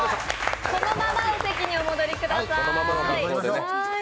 そのままお席にお戻りください。